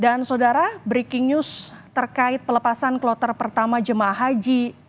dan saudara breaking news terkait pelepasan kloter pertama jemaah haji